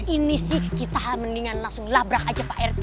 ini sih kita mendingan langsung labrak aja pak rt